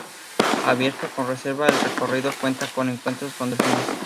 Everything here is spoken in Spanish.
Abierto con reserva, el recorrido cuenta con encuentros con delfines.